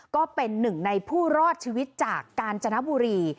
ก็เป็นหนึ่งในผู้รอดชีวิตจากกาญจนบุรี